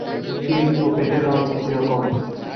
পিঠ ও পেটের রঙ একই রকম।